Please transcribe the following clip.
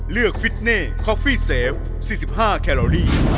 ฟิตเน่คอฟฟี่เซฟ๔๕แคลอรี่